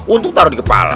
untung taruh di kepala